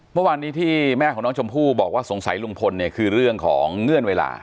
เมื่อวานนี้ที่แม่ของน้องชมพู่บอกว่าสงสัยลุงพลเนี่ยคือเรื่องของเงื่อนเวลา